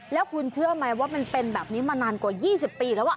แล้วคุณเชื่อไหมว่ามันเป็นแบบนี้มานานกว่า๒๐ปีแล้ว